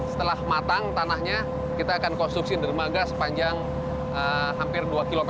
setelah matang tanahnya kita akan konstruksi dermaga sepanjang hampir dua km